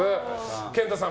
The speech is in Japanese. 健太さん